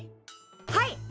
はい！